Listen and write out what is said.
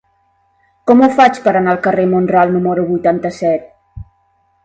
Com ho faig per anar al carrer de Mont-ral número vuitanta-set?